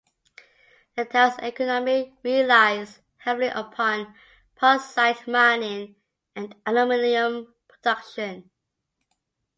The town's economy relies heavily upon bauxite mining and aluminum production.